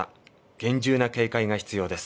厳重な警戒が必要です。